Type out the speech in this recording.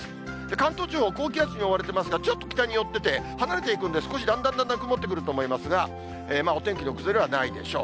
関東地方、高気圧に覆われていますが、ちょっと北によってて、離れていくんで、少し、だんだんだんだん曇ってくると思いますが、お天気の崩れはないでしょう。